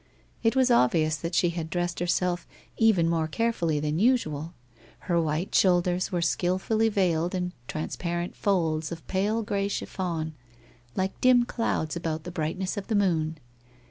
It was obvi ous that she had dressed herself even more carefully than usual. Her white shoulders were skilfully veiled in trans parent folds of pale grey chiffon like dim clouds about the brightness of the moon.